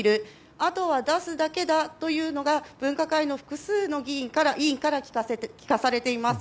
あとは、出すだけだというのが分科会の複数の委員から聞かされています。